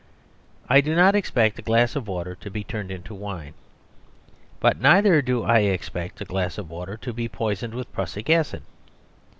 I do not expect a glass of water to be turned into wine; but neither do I expect a glass of water to be poisoned with prussic acid.